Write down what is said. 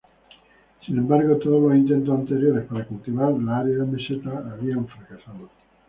Sin embargo, todos los intentos anteriores para cultivar la árida meseta habían fracasado.